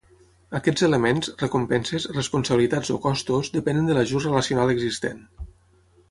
Aquests elements, recompenses, responsabilitats o costos, depenen de l'ajust relacional existent.